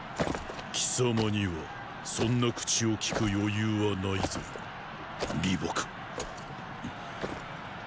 貴様にはそんな口を利く余裕はないぞ李牧。